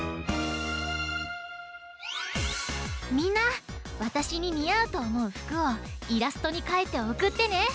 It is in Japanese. みんなわたしににあうとおもうふくをイラストにかいておくってね！